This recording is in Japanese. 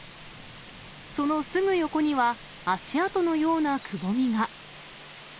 そのすぐ横には、足跡のようなくぼみが。